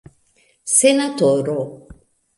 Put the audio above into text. senatoro